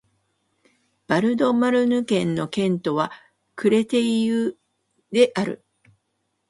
ヴァル＝ド＝マルヌ県の県都はクレテイユである